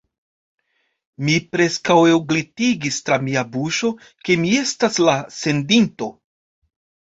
Mi preskaŭ elglitigis tra mia buŝo, ke mi estas la sendinto.